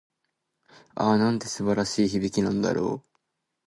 ああ、なんて素晴らしい響きなんだろう。